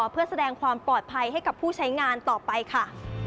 เพื่อแสดงความปลอดภัยให้กับผู้ใช้งานต่อไปค่ะ